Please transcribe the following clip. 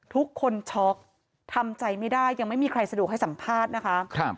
ทุกคนช็อกทำใจไม่ได้ยังไม่มีใครสะดวกให้สัมภาษณ์นะคะ